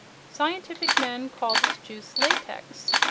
Scientific men call this juice latex.